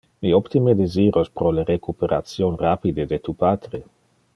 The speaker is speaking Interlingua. Mi optime desiros pro le recuperation rapide de tu patre.